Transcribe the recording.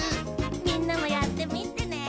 みんなもやってみてね！